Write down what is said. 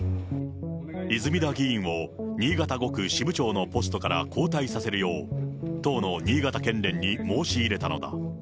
泉田議員を新潟５区支部長のポストから交代させるよう、党の新潟県連に申し入れたのだ。